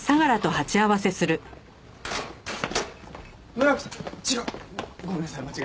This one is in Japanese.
村木さん違うごめんなさい間違えました。